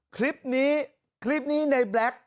คลิปนี้